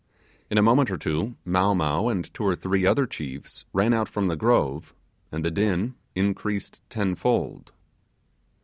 In a moment or two Mow Mow and two or three other chiefs ran out from the grove, and the din increased ten fold.